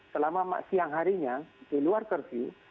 selama siang harinya di luar kerti